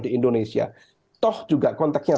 di indonesia toh juga konteknya